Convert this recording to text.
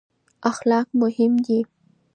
اخلاق مهم دي.